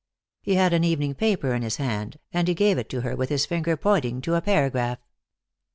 He had an evening paper in his hand, and he gave it to her with his finger pointing to a paragraph.